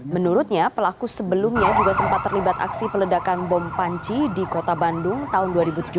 menurutnya pelaku sebelumnya juga sempat terlibat aksi peledakan bom panci di kota bandung tahun dua ribu tujuh belas